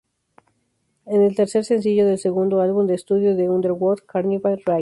Es el tercer sencillo del segundo álbum de estudio de Underwood, Carnival Ride.